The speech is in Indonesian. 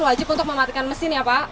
wajib untuk mematikan mesin ya pak